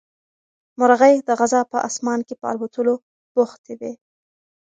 مرغۍ د غزا په اسمان کې په الوتلو بوختې وې.